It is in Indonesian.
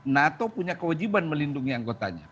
nato punya kewajiban melindungi anggotanya